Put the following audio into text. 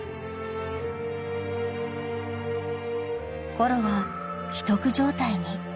［コロは危篤状態に］